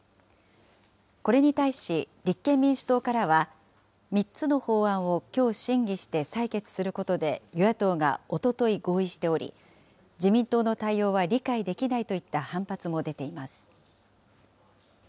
これに対し立憲民主党からは、３つの法案をきょう審議して採決することで、与野党がおととい合意しており、自民党の対応は理解できないといった反発も出ています。